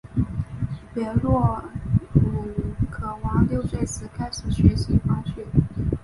别洛鲁科娃六岁时开始练习滑雪。